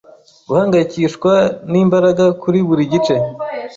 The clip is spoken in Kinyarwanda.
guhangayikishwa nimbaraga kuri buri gice